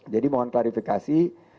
jadi mohon klarifikasi